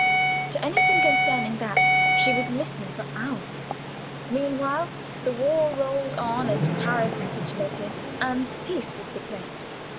To anything concerning that she would listen for hours. Meanwhile the war rolled on, and Paris capitulated, and peace was declared.